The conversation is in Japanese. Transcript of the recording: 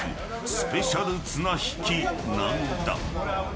スペシャル綱引きなんだ。